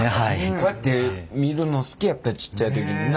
こうやって見るの好きやったちっちゃい時にな。